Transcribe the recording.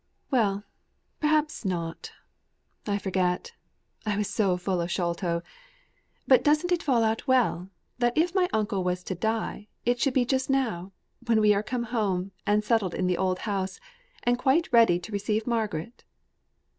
"Well, perhaps not I forget. I was so full of Sholto. But doesn't it fall out well, that if my uncle was to die, it should be just now, when we are come home, and settled in the old house, and quite ready to receive Margaret?